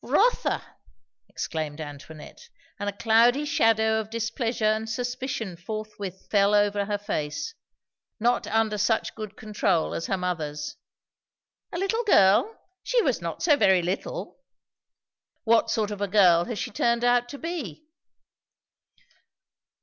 "Rotha!" exclaimed Antoinette; and a cloudy shadow of displeasure and suspicion forthwith fell over her face; not tinder such good control as her mother's. "A little girl! She was not so very little." "What sort of a girl has she turned out to be?"